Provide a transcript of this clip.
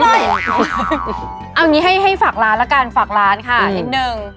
เอาอย่างนี้ให้ฝากร้านละกันฝากร้านค่ะอีกนึง